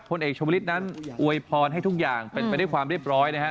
เอกชุบลิตนั้นอวยพรให้ทุกอย่างเป็นไปด้วยความเรียบร้อยนะฮะ